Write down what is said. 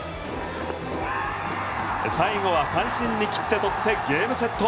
最後は三振に切って取ってゲームセット。